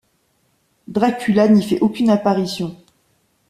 Dracula n'y fait aucune apparition.